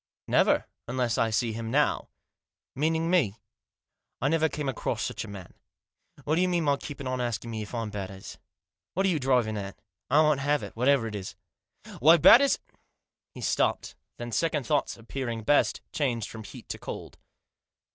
" Never ; unless I see him now." " Meaning me ? I never came across such a man. What do you mean by keeping on asking if I'm Batters? What are you driving at ? I won't have it, whatever it is. Why Batters " He stopped : then second thoughts appearing best, changed from heat to cold.